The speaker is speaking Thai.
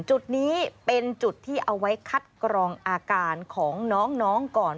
จุดนี้เป็นจุดที่เอาไว้คัดกรองอาการของน้องก่อน